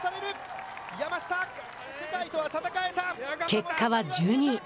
結果は１２位。